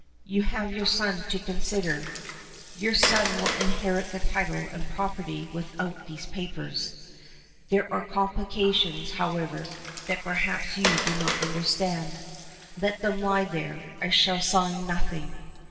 "You have your son to consider." "Your son will inherit the title and the property without those papers." "There are complications, however, that perhaps you do not understand." "Let them lie there. I shall sign nothing."